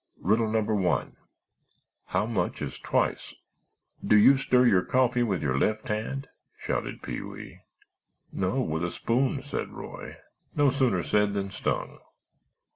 "Riddle number one, How much is twice?" "Do you stir your coffee with your left hand?" shouted Pee wee. "No, with a spoon," said Roy; "no sooner said than stung!"